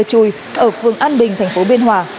điều trùi ở phường an bình thành phố biên hòa